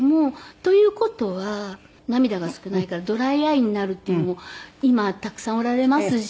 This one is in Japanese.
という事は涙が少ないからドライアイになるっていうのも今たくさんおられますし。